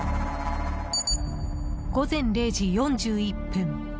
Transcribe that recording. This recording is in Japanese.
午前０時４１分。